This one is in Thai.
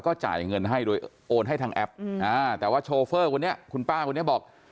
จ่ายเงินให้โดยโอนให้ทางแอปแต่ว่าโชเฟอร์คนนี้คุณป้าคนนี้บอก